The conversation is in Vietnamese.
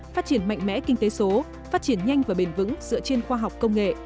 phát triển mạnh mẽ kinh tế số phát triển nhanh và bền vững dựa trên khoa học công nghệ